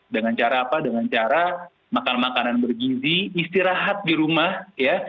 dengan cara apa dengan cara makan makanan bergizi istirahat di rumah ya